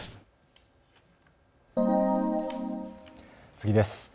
次です。